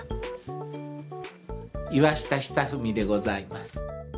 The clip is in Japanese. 岩下尚史でございます。